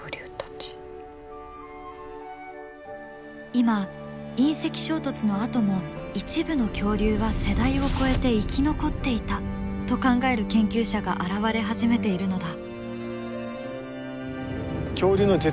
今隕石衝突のあとも一部の恐竜は世代をこえて生き残っていたと考える研究者が現れ始めているのだ。